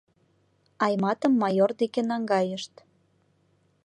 Айматым майор деке наҥгайышт.